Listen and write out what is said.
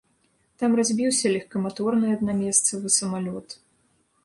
Там разбіўся лёгкаматорны аднамесцавы самалёт.